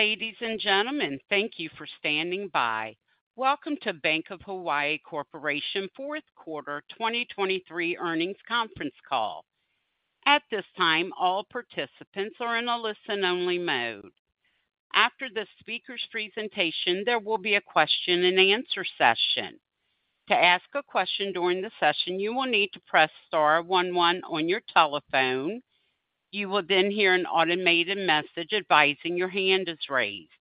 Ladies and gentlemen, thank you for standing by. Welcome to Bank of Hawaii Corporation Q4 2023 Earnings Conference Call. At this time, all participants are in a listen-only mode. After the speaker's presentation, there will be a question-and-answer session. To ask a question during the session, you will need to press star one one on your telephone. You will then hear an automated message advising your hand is raised.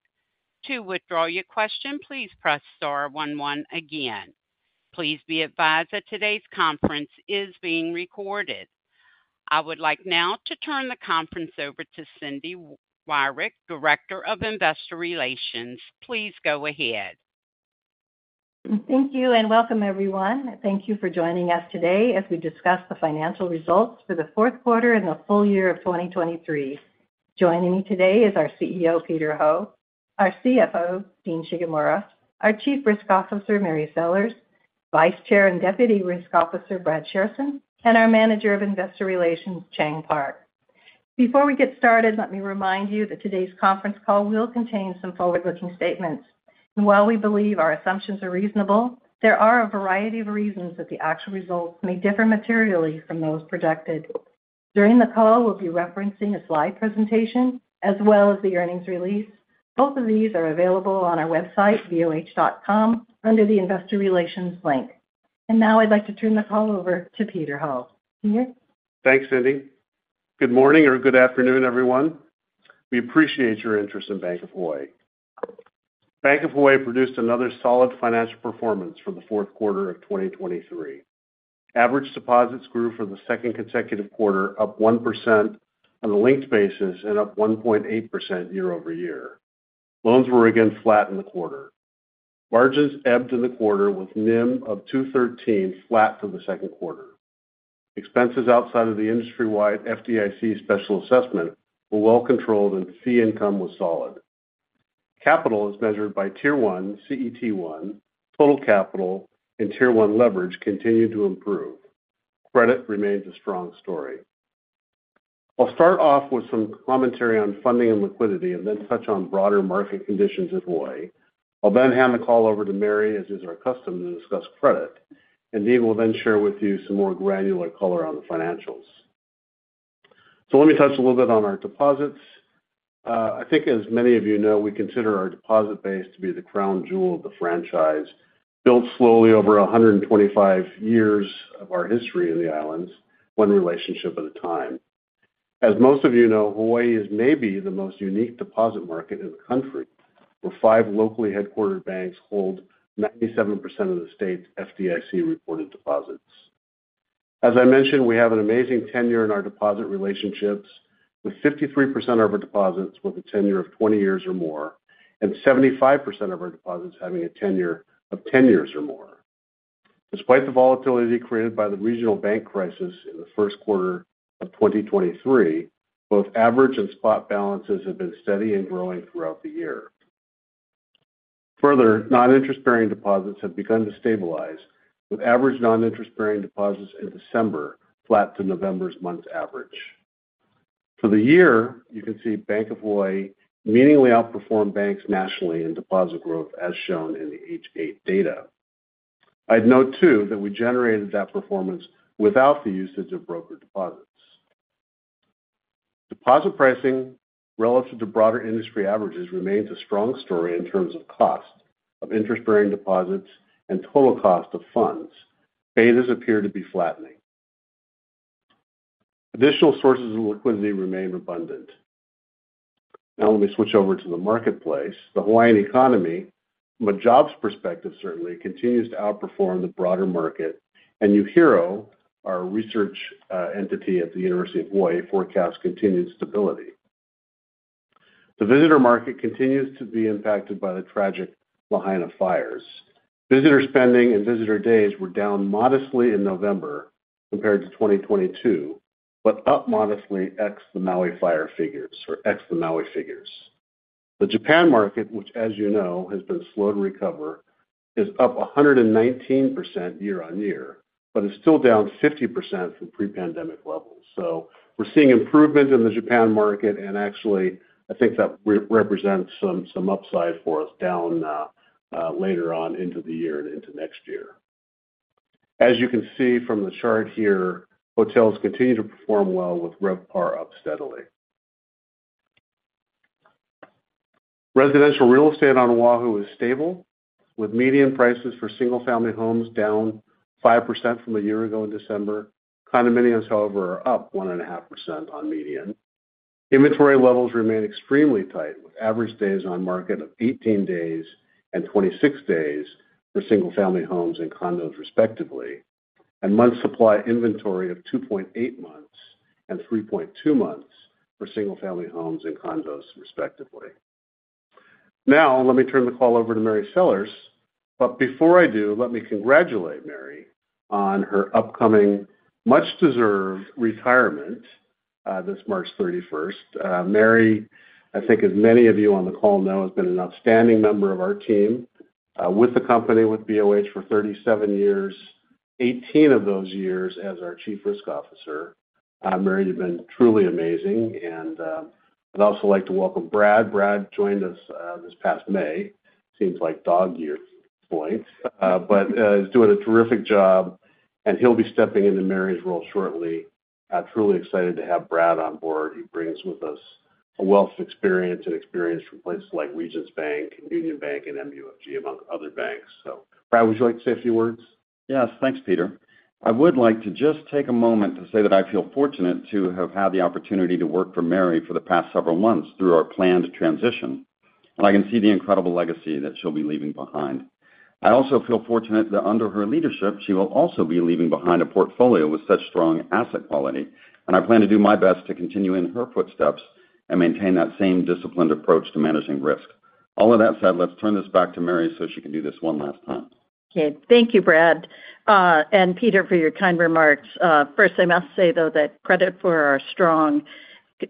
To withdraw your question, please press star one one again. Please be advised that today's conference is being recorded. I would like now to turn the conference over to Cindy Wyrick, Director of Investor Relations. Please go ahead. Thank you, and welcome, everyone. Thank you for joining us today as we discuss the financial results for the Q4 and the full year of 2023. Joining me today is our CEO, Peter Ho, our CFO, Dean Shigemura, our Chief Risk Officer, Mary Sellers, Vice Chair and Deputy Risk Officer, Brad Shairson, and our Manager of Investor Relations, Chang Park. Before we get started, let me remind you that today's conference call will contain some forward-looking statements. And while we believe our assumptions are reasonable, there are a variety of reasons that the actual results may differ materially from those projected. During the call, we'll be referencing a slide presentation as well as the earnings release. Both of these are available on our website, boh.com, under the Investor Relations link. And now I'd like to turn the call over to Peter Ho. Peter? Thanks, Cindy. Good morning or good afternoon, everyone. We appreciate your interest in Bank of Hawaii. Bank of Hawaii produced another solid financial performance for the Q4 of 2023. Average deposits grew for the second consecutive quarter, up 1% on a linked basis and up 1.8% year-over-year. Loans were again flat in the quarter. Margins ebbed in the quarter, with NIM of 2.13 flat for the Q2. Expenses outside of the industry-wide FDIC special assessment were well controlled, and fee income was solid. Capital, as measured by Tier 1, CET1, total capital and Tier 1 leverage continued to improve. Credit remains a strong story. I'll start off with some commentary on funding and liquidity, and then touch on broader market conditions in Hawaii. I'll then hand the call over to Mary, as is our custom, to discuss credit, and Dean will then share with you some more granular color on the financials. So let me touch a little bit on our deposits. I think as many of you know, we consider our deposit base to be the crown jewel of the franchise, built slowly over 125 years of our history in the islands, one relationship at a time. As most of you know, Hawaii is maybe the most unique deposit market in the country, where five locally headquartered banks hold 97% of the state's FDIC-reported deposits. As I mentioned, we have an amazing tenure in our deposit relationships, with 53% of our deposits with a tenure of 20 years or more, and 75% of our deposits having a tenure of 10 years or more. Despite the volatility created by the regional bank crisis in the Q1 of 2023, both average and spot balances have been steady and growing throughout the year. Further, non-interest-bearing deposits have begun to stabilize, with average non-interest-bearing deposits in December flat to November's month average. For the year, you can see Bank of Hawaii meaningfully outperformed banks nationally in deposit growth, as shown in the H.8 data. I'd note, too, that we generated that performance without the usage of broker deposits. Deposit pricing relative to broader industry averages remains a strong story in terms of cost of interest-bearing deposits and total cost of funds. Betas appear to be flattening. Additional sources of liquidity remain abundant. Now, let me switch over to the marketplace. The Hawaiian economy, from a jobs perspective, certainly continues to outperform the broader market, and UHERO, our research entity at the University of Hawaii, forecasts continued stability. The visitor market continues to be impacted by the tragic Lahaina fires. Visitor spending and visitor days were down modestly in November compared to 2022, but up modestly ex the Maui Fire figures or ex the Maui figures. The Japan market, which, as you know, has been slow to recover, is up 119% year-on-year, but is still down 50% from pre-pandemic levels. So we're seeing improvement in the Japan market, and actually, I think that represents some upside for us down later on into the year and into next year. As you can see from the chart here, hotels continue to perform well, with RevPAR up steadily. Residential real estate on Oahu is stable, with median prices for single-family homes down 5% from a year ago in December. Condominiums, however, are up 1.5% on median. Inventory levels remain extremely tight, with average days on market of 18 days and 26 days for single-family homes and condos, respectively, and month's supply inventory of 2.8 months and 3.2 months for single-family homes and condos, respectively. Now, let me turn the call over to Mary Sellers. But before I do, let me congratulate Mary on her upcoming, much-deserved retirement, this March 31. Mary, I think, as many of you on the call know, has been an outstanding member of our team, with the company, with BOH, for 37 years.... 18 of those years as our Chief Risk Officer. Mary, you've been truly amazing, and I'd also like to welcome Brad. Brad joined us this past May. Seems like dog years at this point, but he's doing a terrific job, and he'll be stepping into Mary's role shortly. I'm truly excited to have Brad on board. He brings with us a wealth of experience and experience from places like Regions Bank, Union Bank, and MUFG, among other banks. So Brad, would you like to say a few words? Yes. Thanks, Peter. I would like to just take a moment to say that I feel fortunate to have had the opportunity to work for Mary for the past several months through our planned transition, and I can see the incredible legacy that she'll be leaving behind. I also feel fortunate that under her leadership, she will also be leaving behind a portfolio with such strong asset quality, and I plan to do my best to continue in her footsteps and maintain that same disciplined approach to managing risk. All of that said, let's turn this back to Mary, so she can do this one last time. Okay. Thank you, Brad, and Peter, for your kind remarks. First, I must say, though, that credit for our strong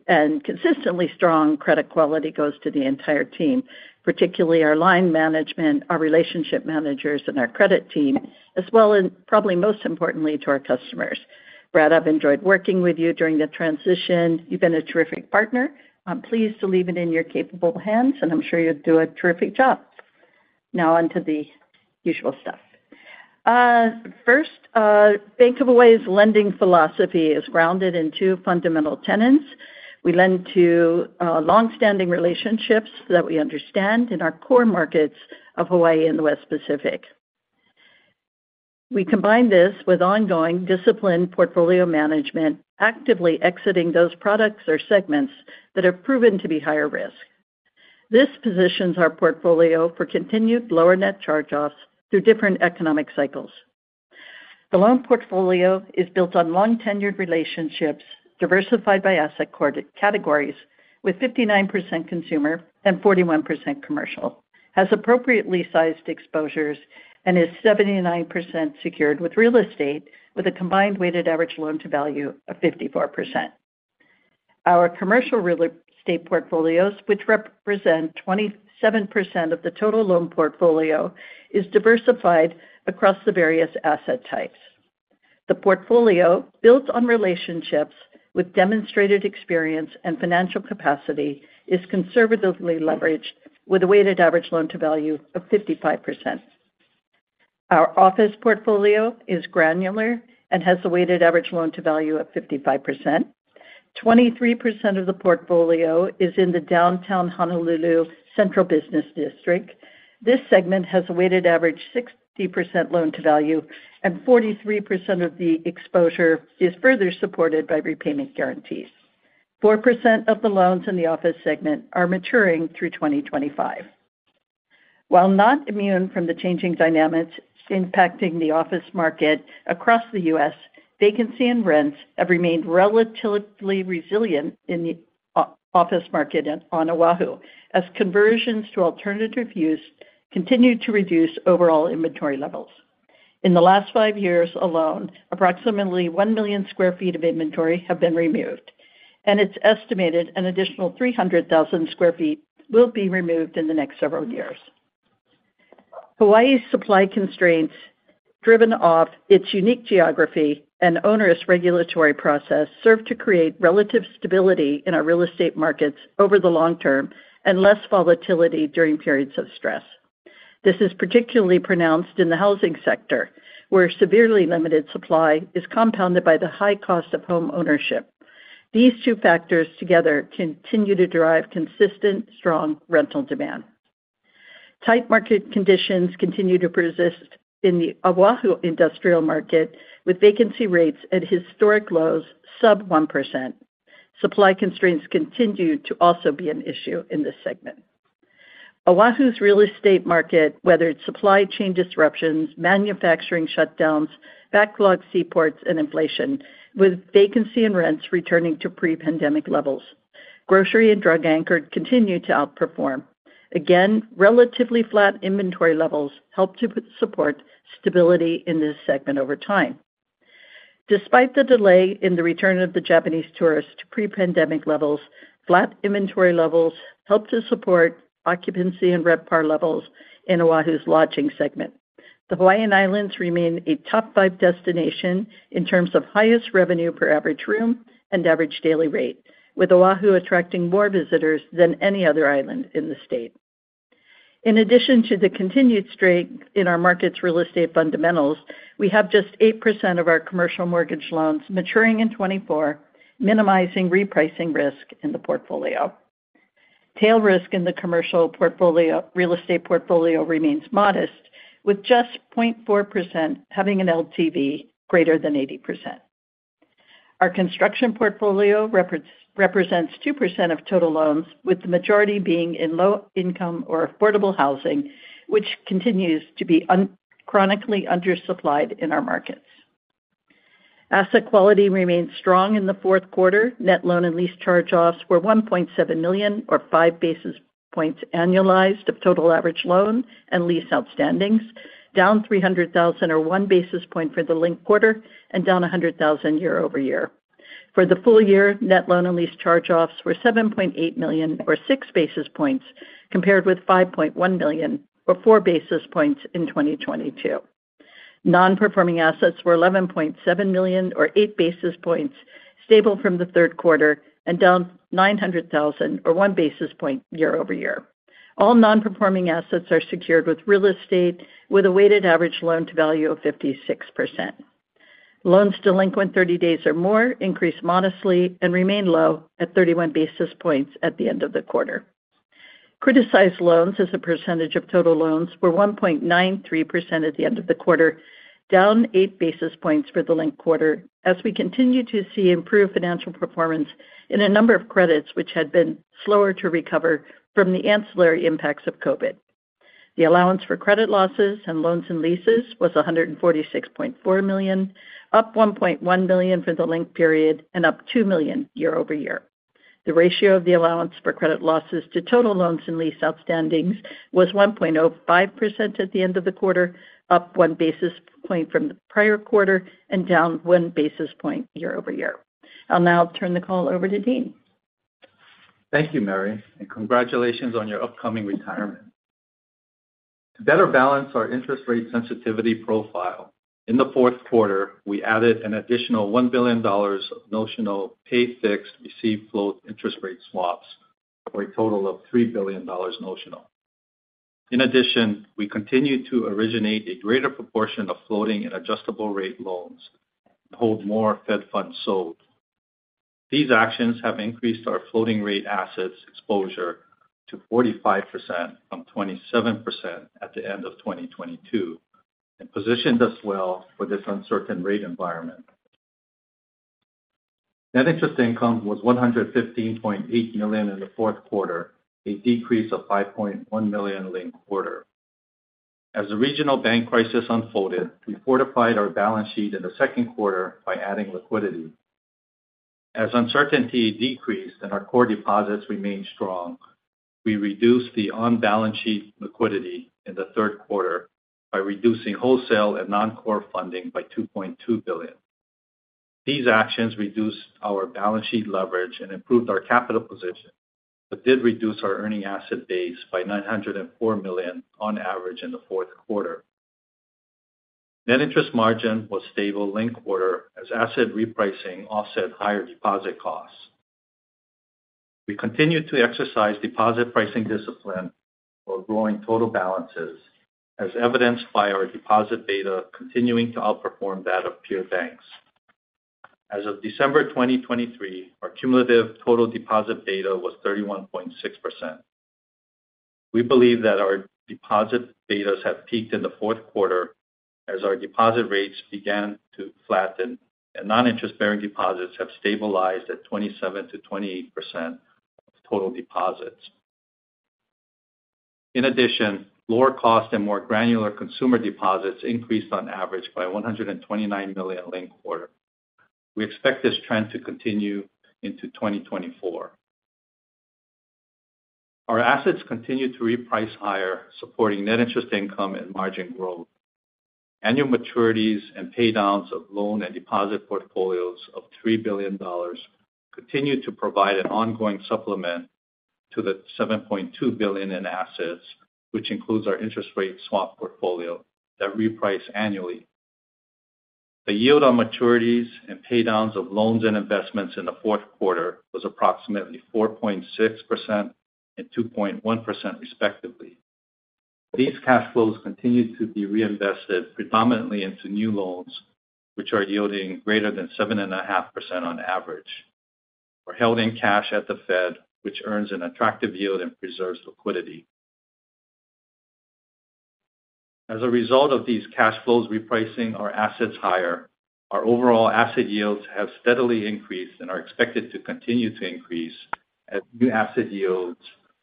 and consistently strong credit quality goes to the entire team, particularly our line management, our relationship managers, and our credit team, as well as probably most importantly, to our customers. Brad, I've enjoyed working with you during the transition. You've been a terrific partner. I'm pleased to leave it in your capable hands, and I'm sure you'll do a terrific job. Now on to the usual stuff. First, Bank of Hawaii's lending philosophy is grounded in two fundamental tenets. We lend to long-standing relationships that we understand in our core markets of Hawaii and the West Pacific. We combine this with ongoing disciplined portfolio management, actively exiting those products or segments that have proven to be higher risk. This positions our portfolio for continued lower net charge-offs through different economic cycles. The loan portfolio is built on long-tenured relationships, diversified by asset categories, with 59% consumer and 41% commercial, has appropriately sized exposures and is 79% secured with real estate, with a combined weighted average loan-to-value of 54%. Our commercial real estate portfolios, which represent 27% of the total loan portfolio, is diversified across the various asset types. The portfolio, built on relationships with demonstrated experience and financial capacity, is conservatively leveraged with a weighted average loan-to-value of 55%. Our office portfolio is granular and has a weighted average loan-to-value of 55%. 23% of the portfolio is in the downtown Honolulu central business district. This segment has a weighted average 60% loan-to-value, and 43% of the exposure is further supported by repayment guarantees. 4% of the loans in the office segment are maturing through 2025. While not immune from the changing dynamics impacting the office market across the U.S., vacancy and rents have remained relatively resilient in the office market on Oahu, as conversions to alternative use continue to reduce overall inventory levels. In the last five years alone, approximately 1 million sq ft of inventory have been removed, and it's estimated an additional 300,000 sq ft will be removed in the next several years. Hawaii's supply constraints, driven off its unique geography and onerous regulatory process, serve to create relative stability in our real estate markets over the long term and less volatility during periods of stress. This is particularly pronounced in the housing sector, where severely limited supply is compounded by the high cost of homeownership. These two factors together continue to drive consistent, strong rental demand. Tight market conditions continue to persist in the Oahu industrial market, with vacancy rates at historic lows, sub 1%. Supply constraints continue to also be an issue in this segment. Oahu's real estate market, whether it's supply chain disruptions, manufacturing shutdowns, backlogged seaports, and inflation, with vacancy and rents returning to pre-pandemic levels. Grocery and drug anchors continue to outperform. Again, relatively flat inventory levels help to support stability in this segment over time. Despite the delay in the return of the Japanese tourists to pre-pandemic levels, flat inventory levels help to support occupancy and RevPAR levels in Oahu's lodging segment. The Hawaiian Islands remain a top five destination in terms of highest revenue per average room and average daily rate, with Oahu attracting more visitors than any other island in the state. In addition to the continued strength in our markets' real estate fundamentals, we have just 8% of our commercial mortgage loans maturing in 2024, minimizing repricing risk in the portfolio. Tail risk in the commercial portfolio—real estate portfolio remains modest, with just 0.4% having an LTV greater than 80%. Our construction portfolio represents 2% of total loans, with the majority being in low income or affordable housing, which continues to be chronically undersupplied in our markets. Asset quality remains strong in the Q4. Net loan and lease charge-offs were $1.7 million or 5 basis points annualized of total average loan and lease outstandings, down $300,000 or 1 basis point for the linked quarter and down $100,000 year-over-year. For the full year, net loan and lease charge-offs were $7.8 million, or 6 basis points, compared with $5.1 million, or 4 basis points in 2022. Non-performing assets were $11.7 million, or 8 basis points, stable from the Q3 and down $900,000, or 1 basis point year over year. All non-performing assets are secured with real estate, with a weighted average loan-to-value of 56%. Loans delinquent 30 days or more increased modestly and remained low at 31 basis points at the end of the quarter. Criticized loans as a percentage of total loans were 1.93% at the end of the quarter, down 8 basis points for the linked quarter as we continue to see improved financial performance in a number of credits, which had been slower to recover from the ancillary impacts of COVID. The allowance for credit losses and loans and leases was $146.4 million, up $1.1 million for the linked period and up $2 million year-over-year. The ratio of the allowance for credit losses to total loans and leases outstandings was 1.05% at the end of the quarter, up 1 basis point from the prior quarter and down 1 basis point year-over-year. I'll now turn the call over to Dean. Thank you, Mary, and congratulations on your upcoming retirement. To better balance our interest rate sensitivity profile, in the Q4, we added an additional $1 billion of notional pay-fixed, receive-float interest rate swaps for a total of $3 billion notional. In addition, we continued to originate a greater proportion of floating and adjustable rate loans and hold more Fed funds sold. These actions have increased our floating rate assets exposure to 45% from 27% at the end of 2022, and positioned us well for this uncertain rate environment. Net interest income was $115.8 million in the Q4, a decrease of $5.1 million linked quarter. As the regional bank crisis unfolded, we fortified our balance sheet in the Q2 by adding liquidity. As uncertainty decreased and our core deposits remained strong, we reduced the on-balance sheet liquidity in the Q3 by reducing wholesale and non-core funding by $2.2 billion. These actions reduced our balance sheet leverage and improved our capital position, but did reduce our earning asset base by $904 million on average in the Q4. Net interest margin was stable linked quarter as asset repricing offset higher deposit costs. We continued to exercise deposit pricing discipline while growing total balances, as evidenced by our deposit beta continuing to outperform that of peer banks. As of December 2023, our cumulative total deposit beta was 31.6%. We believe that our deposit betas have peaked in the Q4 as our deposit rates began to flatten, and non-interest-bearing deposits have stabilized at 27%-28% of total deposits. In addition, lower cost and more granular consumer deposits increased on average by $129 million linked quarter. We expect this trend to continue into 2024. Our assets continued to reprice higher, supporting net interest income and margin growth. Annual maturities and paydowns of loan and deposit portfolios of $3 billion continued to provide an ongoing supplement to the $7.2 billion in assets, which includes our interest rate swap portfolio that reprice annually. The yield on maturities and paydowns of loans and investments in the Q4 was approximately 4.6% and 2.1%, respectively. These cash flows continued to be reinvested predominantly into new loans, which are yielding greater than 7.5% on average, or held in cash at the Fed, which earns an attractive yield and preserves liquidity. As a result of these cash flows repricing our assets higher, our overall asset yields have steadily increased and are expected to continue to increase as new asset yields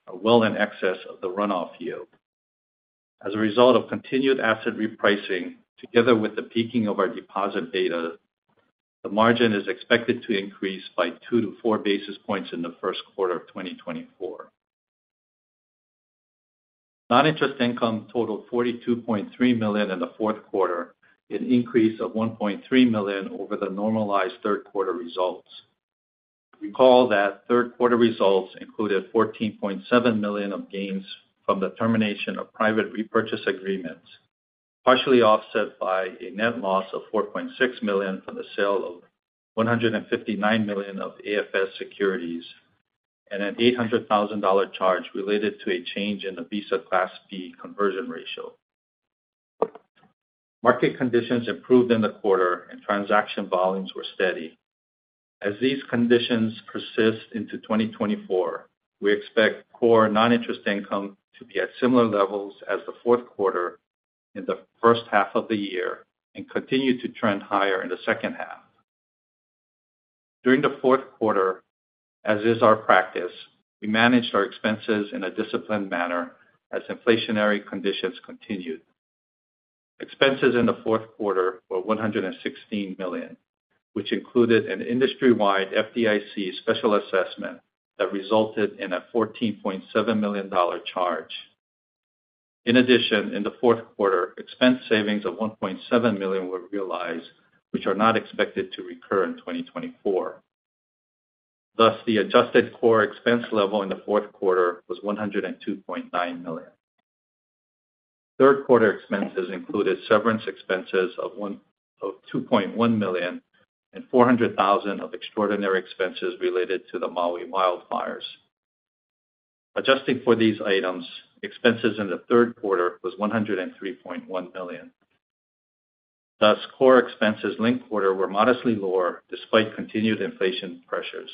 are well in excess of the runoff yield. As a result of continued asset repricing, together with the peaking of our deposit beta, the margin is expected to increase by 2-4 basis points in the Q1 of 2024. Noninterest income totaled $42.3 million in the Q4, an increase of $1.3 million over the normalized Q3 results. Recall that Q3 results included $14.7 million of gains from the termination of private repurchase agreements, partially offset by a net loss of $4.6 million from the sale of $159 million of AFS securities, and an $800,000 charge related to a change in the Visa Class B conversion ratio. Market conditions improved in the quarter and transaction volumes were steady. As these conditions persist into 2024, we expect core non-interest income to be at similar levels as the Q4 in the H1 of the year and continue to trend higher in the H2. During the Q4, as is our practice, we managed our expenses in a disciplined manner as inflationary conditions continued. Expenses in the Q4 were $116 million, which included an industry-wide FDIC special assessment that resulted in a $14.7 million charge. In addition, in the Q4, expense savings of $1.7 million were realized, which are not expected to recur in 2024. Thus, the adjusted core expense level in the Q4 was $102.9 million. Q3 expenses included severance expenses of $2.1 million and $400,000 of extraordinary expenses related to the Maui wildfires. Adjusting for these items, expenses in the Q3 was $103.1 million. Thus, core expenses linked quarter were modestly lower despite continued inflation pressures.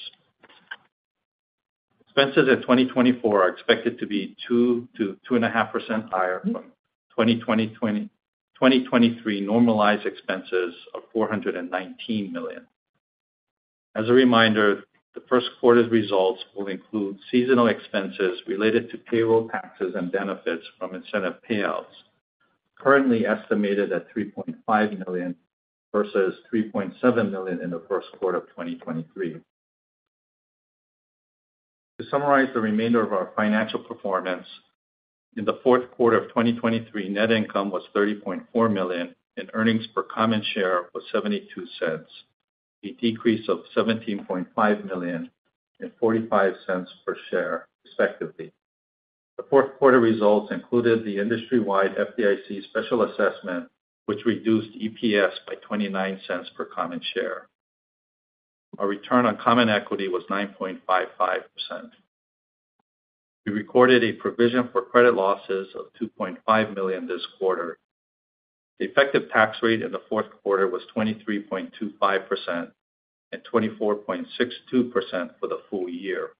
Expenses in 2024 are expected to be 2%-2.5% higher from 2023 normalized expenses of $419 million. As a reminder, the Q1's results will include seasonal expenses related to payroll taxes and benefits from incentive payouts, currently estimated at $3.5 million versus $3.7 million in the Q1 of 2023. To summarize the remainder of our financial performance, in the Q4 of 2023, net income was $30.4 million, and earnings per common share was $0.72, a decrease of $17.5 million and $0.45 per share, respectively. The Q4 results included the industry-wide FDIC special assessment, which reduced EPS by $0.29 per common share. Our return on common equity was 9.55%. We recorded a provision for credit losses of $2.5 million this quarter. The effective tax rate in the Q4 was 23.25% and 24.62% for the full year.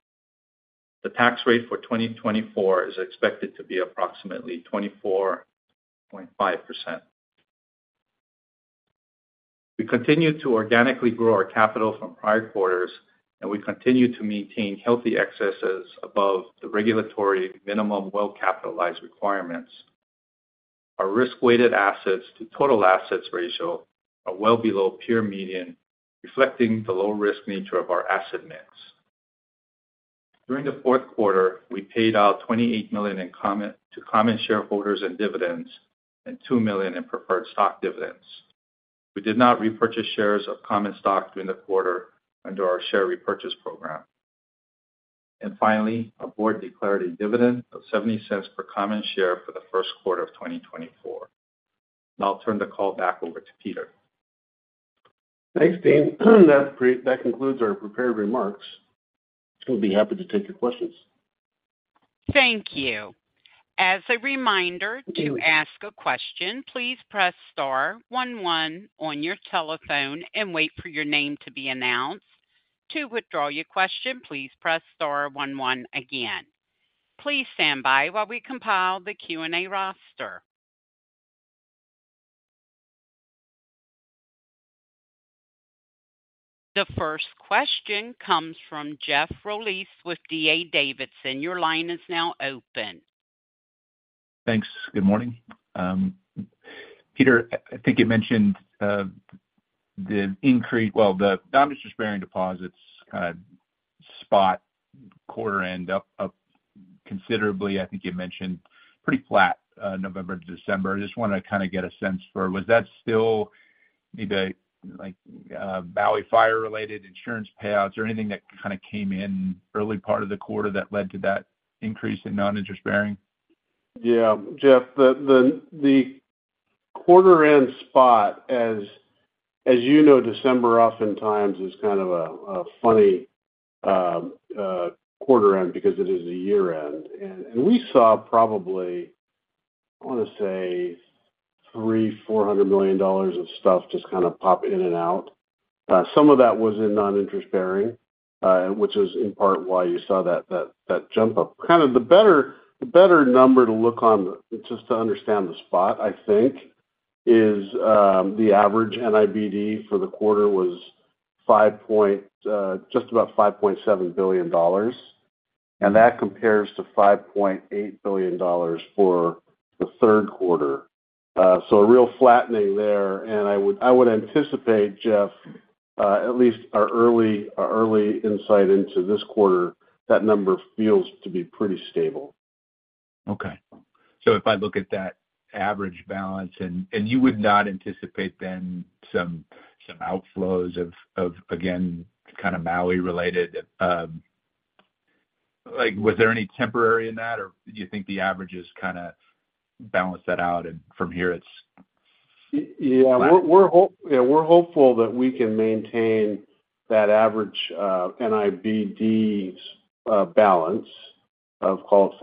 The tax rate for 2024 is expected to be approximately 24.5%. We continued to organically grow our capital from prior quarters, and we continue to maintain healthy excesses above the regulatory minimum well-capitalized requirements. Our risk-weighted assets to total assets ratio are well below peer median, reflecting the low risk nature of our asset mix. During the Q4, we paid out $28 million in common to common shareholders in dividends and $2 million in preferred stock dividends. We did not repurchase shares of common stock during the quarter under our share repurchase program. And finally, our board declared a dividend of $0.70 per common share for the Q1 of 2024. Now I'll turn the call back over to Peter. Thanks, Dean. That concludes our prepared remarks. We'll be happy to take your questions. Thank you. As a reminder, to ask a question, please press star one one on your telephone and wait for your name to be announced. To withdraw your question, please press star one one again. Please stand by while we compile the Q&A roster. The first question comes from Jeff Rulis with D.A. Davidson. Your line is now open. Thanks. Good morning. Peter, I think you mentioned the increase—well, the non-interest-bearing deposits spot quarter-end up considerably. I think you mentioned pretty flat November to December. I just wanted to kind of get a sense for, was that still maybe like Maui fire-related insurance payouts or anything that kind of came in early part of the quarter that led to that increase in non-interest-bearing? Yeah, Jeff, the quarter end spot, as you know, December oftentimes is kind of a funny quarter end because it is a year-end. And we saw probably, I want to say, $300 million-$400 million of stuff just kind of pop in and out. Some of that was in non-interest-bearing, which is in part why you saw that jump up. Kind of the better number to look on, just to understand the spot, I think, is the average NIBD for the quarter was five point, just about $5.7 billion, and that compares to $5.8 billion for the Q3. So a real flattening there, and I would anticipate, Jeff, at least our early insight into this quarter, that number feels to be pretty stable. Okay. So if I look at that average balance, and you would not anticipate then some outflows of, again, kind of Maui-related. Like, was there any temporary in that? Or do you think the averages kind of balance that out and from here it's- Yeah, we're hopeful that we can maintain that average NIBD's balance of call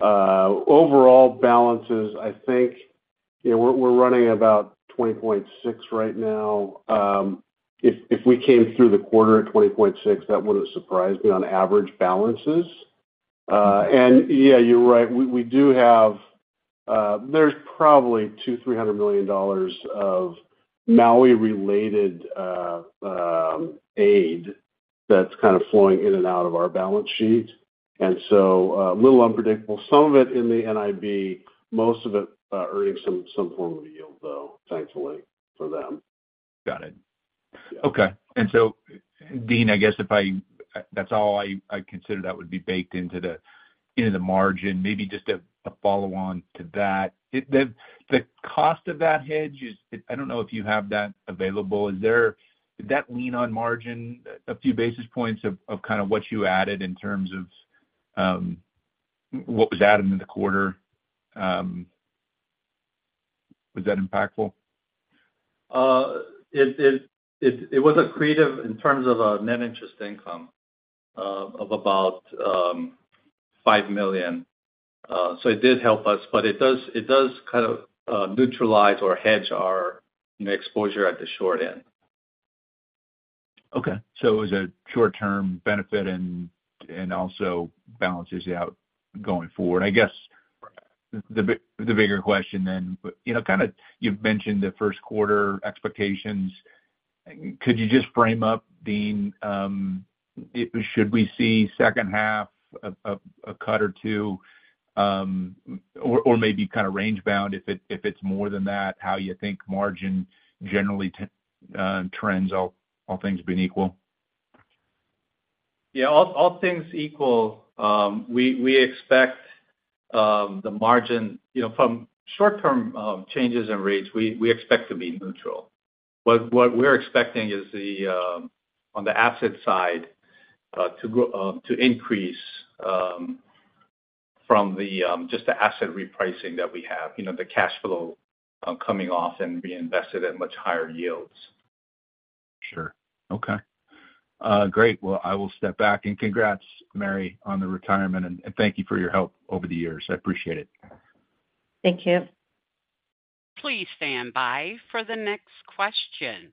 it $57. Overall balances, I think, you know, we're running about $20.6 right now. If we came through the quarter at $20.6, that wouldn't surprise me on average balances. And yeah, you're right, we do have, there's probably $200-$300 million of Maui-related aid that's kind of flowing in and out of our balance sheet, and so a little unpredictable. Some of it in the NIB, most of it earning some form of a yield, though, thankfully for them. Got it. Okay. And so, Dean, I guess that's all I consider that would be baked into the, into the margin. Maybe just a follow on to that. The cost of that hedge is, I don't know if you have that available. Is there? Did that lean on margin a few basis points of kind of what you added in terms of what was added in the quarter? Was that impactful? It was accretive in terms of net interest income of about $5 million. So it did help us, but it does kind of neutralize or hedge our exposure at the short end. Okay. So it was a short-term benefit and also balances out going forward. I guess the bigger question then, but you know, kind of you've mentioned the Q1 expectations. Could you just frame up, Dean, should we see H2 of a cut or two, or maybe kind of range bound, if it's more than that, how you think margin generally trends, all things being equal? Yeah, all things equal, we expect the margin. You know, from short-term changes in rates, we expect to be neutral. But what we're expecting is, on the asset side, to increase from just the asset repricing that we have, you know, the cash flow coming off and being invested at much higher yields. Sure. Okay. Great. Well, I will step back, and congrats, Mary, on the retirement, and thank you for your help over the years. I appreciate it. Thank you. Please stand by for the next question.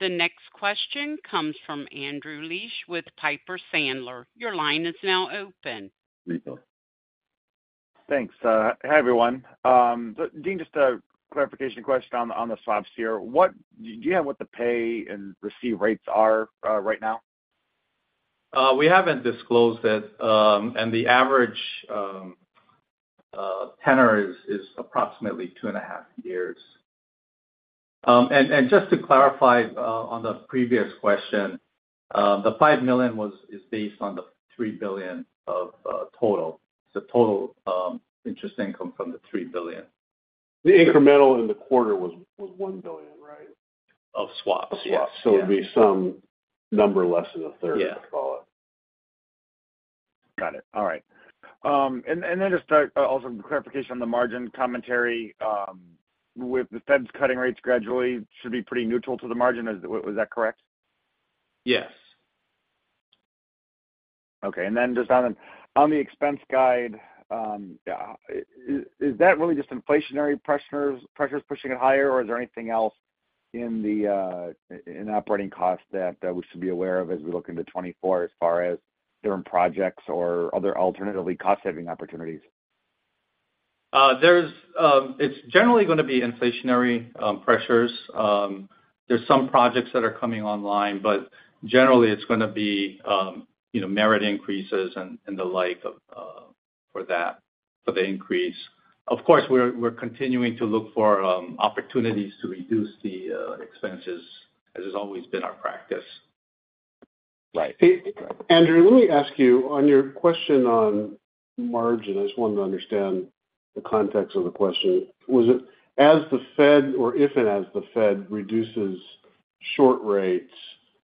The next question comes from Andrew Liesch with Piper Sandler. Your line is now open. Thanks. Hi, everyone. Dean, just a clarification question on the swaps here. Do you have what the pay and receive rates are, right now? We haven't disclosed it, and the average tenor is approximately 2.5 years. And just to clarify, on the previous question, the $5 million is based on the $3 billion of total. The total interest income from the $3 billion. The incremental in the quarter was $1 billion, right? Of swaps. Of swaps. So it would be some number less than a third- Yeah Let's call it. Got it. All right. And then just also clarification on the margin commentary. With the Feds cutting rates gradually should be pretty neutral to the margin. Is, was that correct? Yes. Okay. And then just on the expense guide, is that really just inflationary pressures pushing it higher, or is there anything else in operating costs that we should be aware of as we look into 2024, as far as different projects or other alternatively cost-saving opportunities? There's it's generally gonna be inflationary pressures. There's some projects that are coming online, but generally it's gonna be, you know, merit increases and, and the like, of, for that, for the increase. Of course, we're, we're continuing to look for, opportunities to reduce the, expenses, as has always been our practice. Right. Andrew, let me ask you on your question on margin. I just wanted to understand the context of the question. Was it as the Fed or if and as the Fed reduces short rates,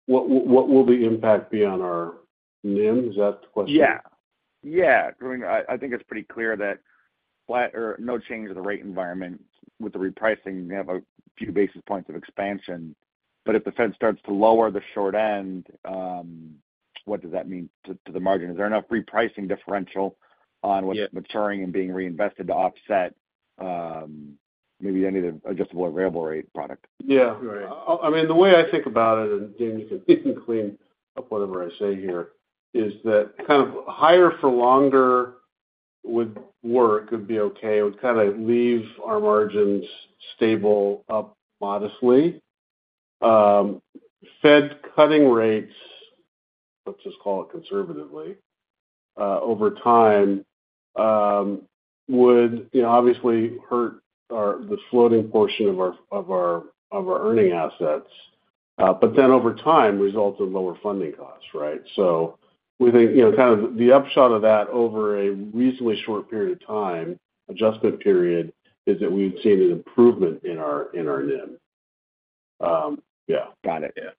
what, what will the impact be on our NIM? Is that the question? Yeah. Yeah. I think it's pretty clear that flat or no change in the rate environment with the repricing, we have a few basis points of expansion. But if the Fed starts to lower the short end, what does that mean to the margin? Is there enough repricing differential on what's- Yeah - maturing and being reinvested to offset, maybe any of the adjustable variable rate product? Yeah. Right. I mean, the way I think about it, and Dean, you can clean up whatever I say here, is that kind of higher for longer would work, would be okay. It would kind of leave our margins stable, up modestly. Fed cutting rates, let's just call it conservatively, over time, would, you know, obviously hurt our, the floating portion of our earning assets, but then over time, results in lower funding costs, right? So we think, you know, kind of the upshot of that over a reasonably short period of time, adjustment period, is that we've seen an improvement in our NIM. Yeah. Got it. Yeah.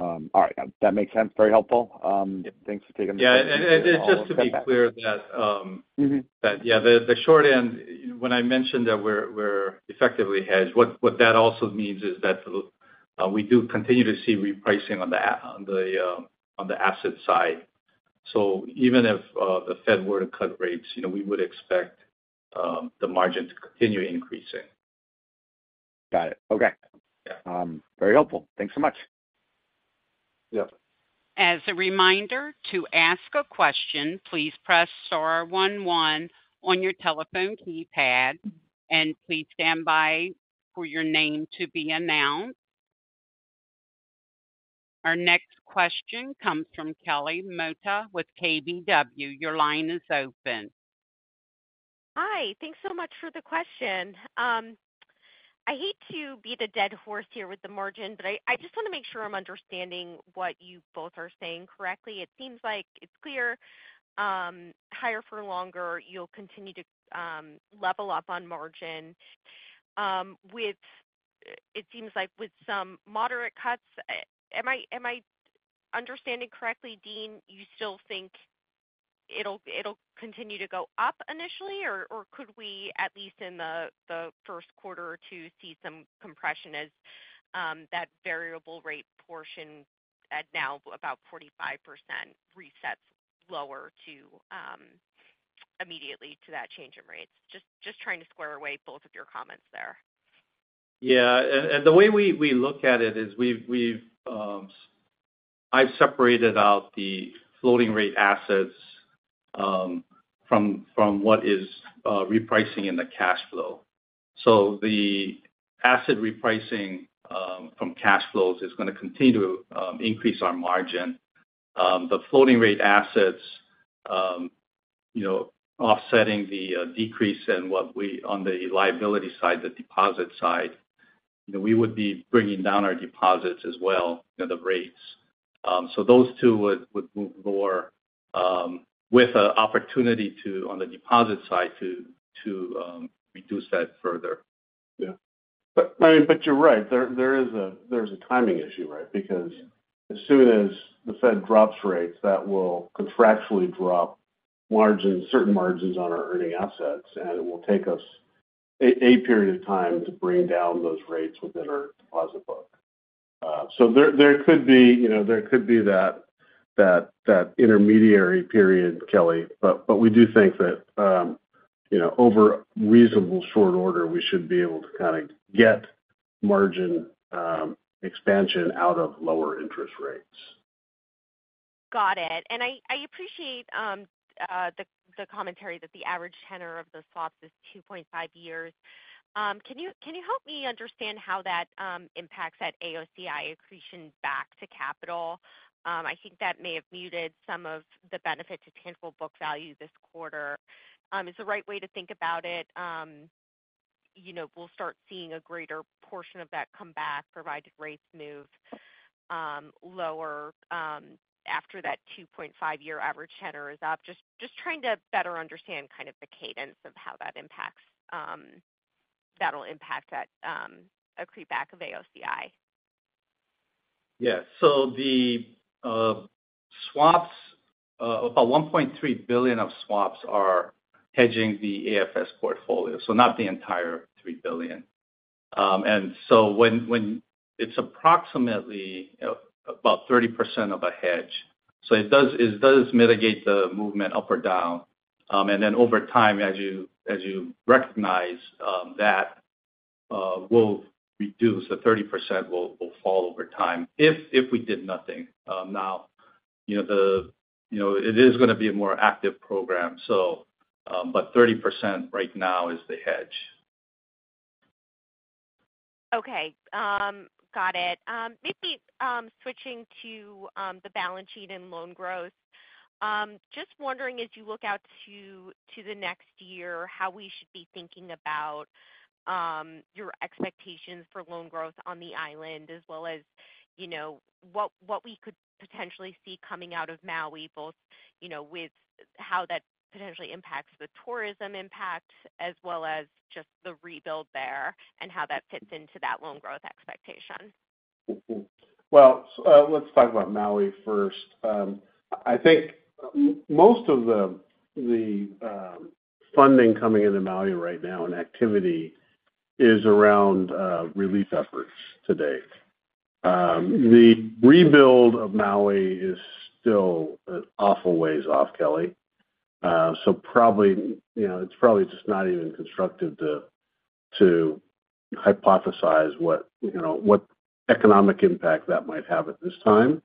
All right. That makes sense. Very helpful. Thanks for taking the time- Yeah, just to be clear that, Mm-hmm... that, yeah, the short end, when I mentioned that we're effectively hedged, what that also means is that we do continue to see repricing on the asset side. So even if the Fed were to cut rates, you know, we would expect the margin to continue increasing. Got it. Okay. Yeah. Very helpful. Thanks so much. Yep. As a reminder, to ask a question, please press star one one on your telephone keypad, and please stand by for your name to be announced. Our next question comes from Kelly Motta with KBW. Your line is open. Hi. Thanks so much for the question. I hate to beat a dead horse here with the margin, but I just want to make sure I'm understanding what you both are saying correctly. It seems like it's clear, higher for longer, you'll continue to level up on margin. With some moderate cuts, am I understanding correctly, Dean, you still think it'll continue to go up initially, or could we, at least in the Q1 or two, see some compression as that variable rate portion at now about 45% resets lower to immediately to that change in rates? Just trying to square away both of your comments there. Yeah. And the way we look at it is we've I've separated out the floating rate assets from what is repricing in the cash flow. So the asset repricing from cash flows is going to continue to increase our margin. The floating rate assets, you know, offsetting the decrease in what we on the liability side, the deposit side, we would be bringing down our deposits as well, you know, the rates. So those two would move more with an opportunity to, on the deposit side, to reduce that further. Yeah. But, I mean, but you're right. There is a timing issue, right? Because as soon as the Fed drops rates, that will contractually drop margins, certain margins on our earning assets, and it will take us a period of time to bring down those rates within our deposit book. So there could be, you know, there could be that intermediary period, Kelly. But we do think that, you know, over reasonable short order, we should be able to kind of get margin expansion out of lower interest rates. Got it. I appreciate the commentary that the average tenor of the swaps is 2.5 years. Can you help me understand how that impacts that AOCI accretion back to capital? I think that may have muted some of the benefit to tangible book value this quarter. Is the right way to think about it, you know, we'll start seeing a greater portion of that come back, provided rates move lower after that 2.5 year average tenor is up. Just trying to better understand kind of the cadence of how that impacts, that'll impact that accrete back of AOCI. Yeah. So the swaps about $1.3 billion of swaps are hedging the AFS portfolio, so not the entire $3 billion. And so when it's approximately, you know, about 30% of a hedge, so it does, it does mitigate the movement up or down. And then over time, as you recognize that will reduce the 30% will fall over time if we did nothing. Now, you know, it is going to be a more active program, so but 30% right now is the hedge. Okay. Got it. Maybe switching to the balance sheet and loan growth. Just wondering, as you look out to the next year, how we should be thinking about your expectations for loan growth on the island, as well as, you know, what we could potentially see coming out of Maui, both, you know, with how that potentially impacts the tourism impact as well as just the rebuild there and how that fits into that loan growth expectation? Mm-hmm. Well, let's talk about Maui first. I think most of the funding coming into Maui right now, and activity, is around relief efforts today. The rebuild of Maui is still an awful ways off, Kelly. So probably, you know, it's probably just not even constructive to hypothesize what, you know, what economic impact that might have at this time.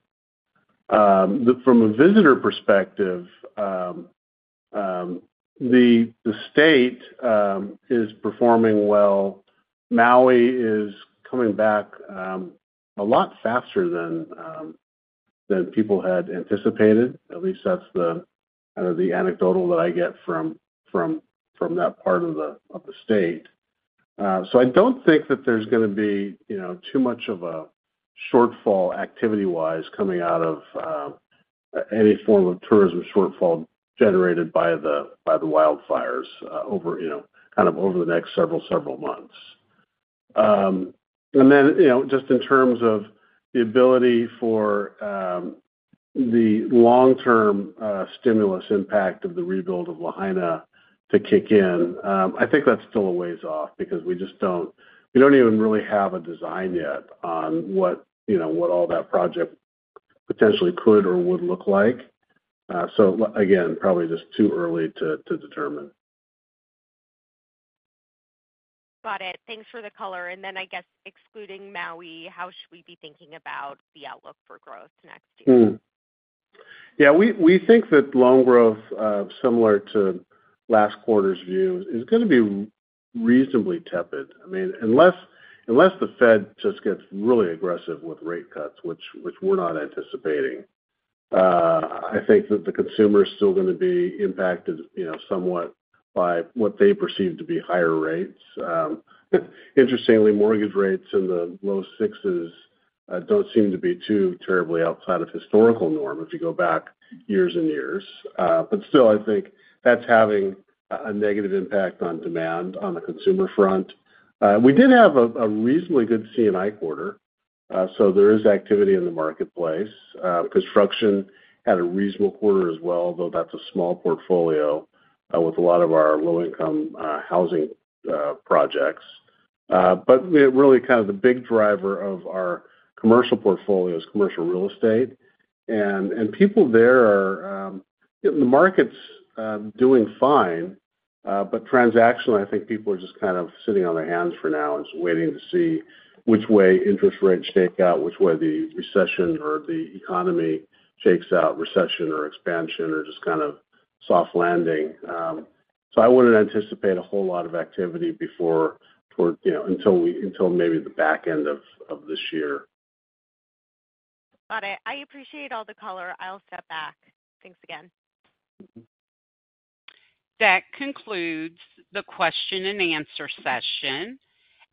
From a visitor perspective, the state is performing well. Maui is coming back a lot faster than people had anticipated. At least that's the kind of the anecdotal that I get from that part of the state. So I don't think that there's going to be, you know, too much of a shortfall activity-wise coming out of any form of tourism shortfall generated by the wildfires over, you know, kind of over the next several months. And then, you know, just in terms of the ability for the long-term stimulus impact of the rebuild of Lahaina to kick in, I think that's still a ways off because we don't even really have a design yet on what, you know, what all that project potentially could or would look like. So again, probably just too early to determine. Got it. Thanks for the color. And then, I guess, excluding Maui, how should we be thinking about the outlook for growth next year?... Yeah, we think that loan growth, similar to last quarter's view, is gonna be reasonably tepid. I mean, unless the Fed just gets really aggressive with rate cuts, which we're not anticipating, I think that the consumer is still gonna be impacted, you know, somewhat by what they perceive to be higher rates. Interestingly, mortgage rates in the low sixes don't seem to be too terribly outside of historical norm if you go back years and years. But still, I think that's having a negative impact on demand on the consumer front. We did have a reasonably good C&I quarter, so there is activity in the marketplace. Construction had a reasonable quarter as well, though that's a small portfolio, with a lot of our low-income housing projects. But really kind of the big driver of our commercial portfolio is commercial real estate. And people there are, the market's doing fine, but transactionally, I think people are just kind of sitting on their hands for now and just waiting to see which way interest rates shake out, which way the recession or the economy shakes out, recession or expansion or just kind of soft landing. So I wouldn't anticipate a whole lot of activity before toward, you know, until maybe the back end of this year. Got it. I appreciate all the color. I'll step back. Thanks again. That concludes the question and answer session.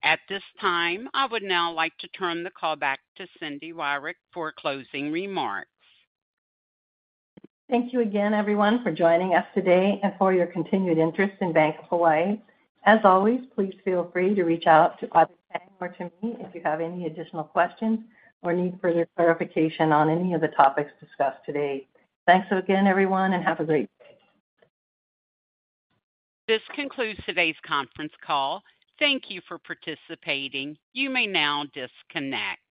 At this time, I would now like to turn the call back to Cindy Wyrick for closing remarks. Thank you again, everyone, for joining us today and for your continued interest in Bank of Hawaii. As always, please feel free to reach out to Audrey Tang or to me if you have any additional questions or need further clarification on any of the topics discussed today. Thanks again, everyone, and have a great day. This concludes today's conference call. Thank you for participating. You may now disconnect.